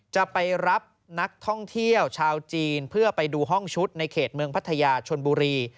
จะไปรับนักท่องเที่ยวชาวจีนเพื่อไปดูห้องชุดในเขตเมืองพัทยาชนบุรี